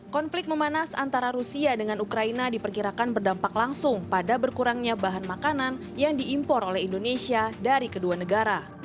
konflik memanas antara rusia dengan ukraina diperkirakan berdampak langsung pada berkurangnya bahan makanan yang diimpor oleh indonesia dari kedua negara